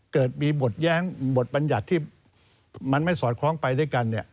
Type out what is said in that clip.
เกิดมีบทแย้งบทบัญญัติที่มันไม่สอดคล้องไปด้วยกัน